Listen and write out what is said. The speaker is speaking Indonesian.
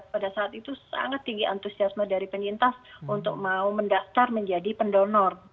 pada saat itu sangat tinggi antusiasme dari penyintas untuk mau mendaftar menjadi pendonor